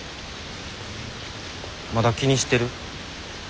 まだ気にしてる？